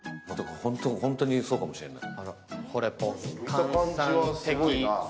本当にそうかもしれない。